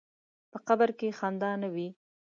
په قبر کې خندا نه وي.